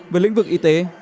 về lĩnh vực y tế